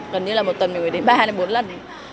gần như là một tuần đến ba hay bốn lần